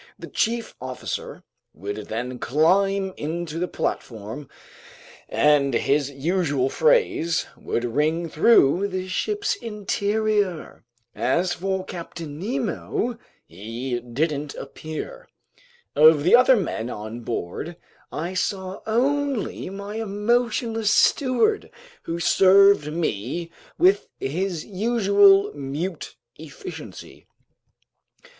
The chief officer would then climb onto the platform, and his usual phrase would ring through the ship's interior. As for Captain Nemo, he didn't appear. Of the other men on board, I saw only my emotionless steward, who served me with his usual mute efficiency.